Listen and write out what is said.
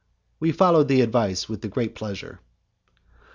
We followed the advice with great pleasure.